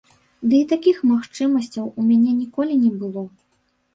Ды і такіх магчымасцяў у мяне ніколі не было.